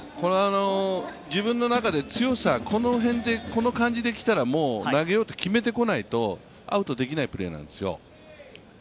自分の中で強さ、この辺でこの感じで来たら投げようと決めないとアウトできないプレーなんですよ。